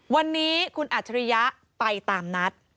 วันนี้คุณอัจฉริยะไปตามนัด